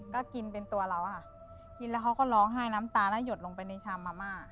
ก็กินเป็นตัวเราค่ะกินแล้วเขาก็ร้องไห้น้ำตาแล้วหยดลงไปในชามมาม่า